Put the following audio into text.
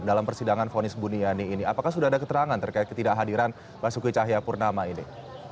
dalam persidangan fonis buniani ini apakah sudah ada keterangan terkait ketidakhadiran basuki cahayapurnama ini